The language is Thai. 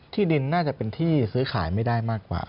ที่ดินน่าจะเป็นที่ซื้อขายไม่ได้มากกว่า